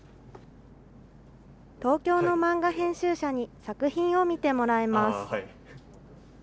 東京の漫画編集者に、作品を見てもらえます。